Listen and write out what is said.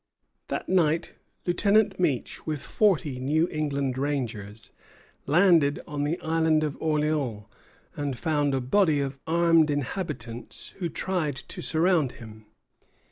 That night Lieutenant Meech, with forty New England rangers, landed on the Island of Orleans, and found a body of armed inhabitants, who tried to surround him.